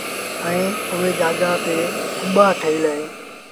ائيٚݩ اُئي جآڳآ تي ڪٻآ ٺهيٚل اهيݩ